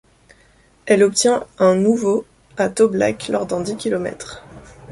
Elle obtient un nouveau ' à Toblach lors d'un dix kilomètres.